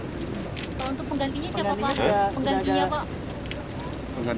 untuk penggantinya siapa pak